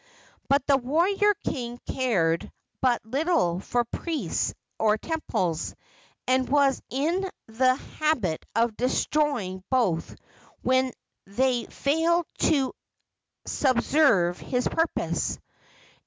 But the warrior king cared but little for priests or temples, and was in the habit of destroying both when they failed to subserve his purposes.